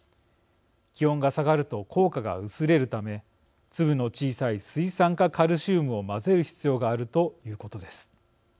気温が下がると効果が薄れるため粒の小さい水酸化カルシウムを混ぜる必要があるということです。